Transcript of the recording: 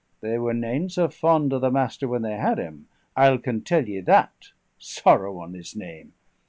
They were nane sae fond o' the Master when they had him, I'll can tell ye that. Sorrow on his name!